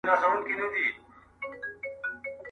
همېشه ورسره تلله په ښكارونو؛